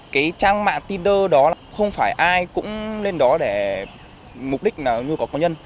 cái trang mạng tinder đó không phải ai cũng lên đó để mục đích nào như của con nhân